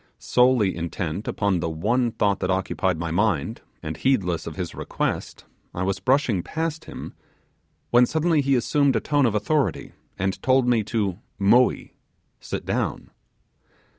Solely intent upon the one thought that occupied my mind, and heedless of his request, I was brushing past him, when suddenly he assumed a tone of authority, and told me to 'moee' (sit down).